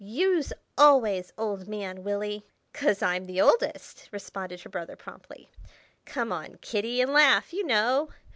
"You's always 'Old Man,' Willy!" "'Cause I'm the oldest!" responded her brother, promptly. "Come on, Kitty, and laugh, you know!